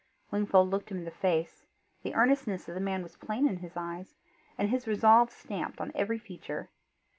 Wingfold looked him in the face: the earnestness of the man was plain in his eyes, and his resolve stamped on every feature.